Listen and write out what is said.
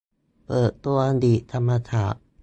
เปิดตัวลีดธรรมศาสตร์